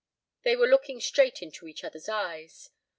They were looking straight into each other's eyes.